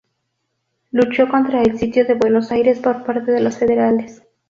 Luchó contra el sitio de Buenos Aires por parte de los federales.